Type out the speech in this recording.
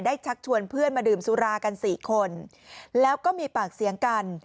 ชักชวนเพื่อนมาดื่มสุรากันสี่คนแล้วก็มีปากเสียงกัน